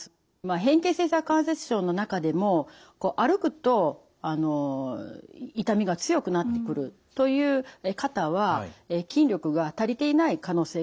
変形性ひざ関節症の中でも歩くと痛みが強くなってくるという方は筋力が足りていない可能性があります。